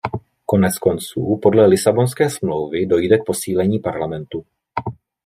Koneckonců, podle Lisabonské smlouvy dojde k posílení Parlamentu.